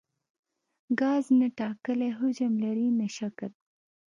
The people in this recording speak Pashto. ګاز نه ټاکلی حجم لري نه شکل.